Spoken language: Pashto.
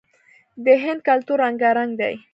د هند کلتور رنګارنګ دی.